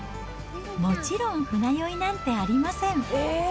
もちろん船酔いなんてありません。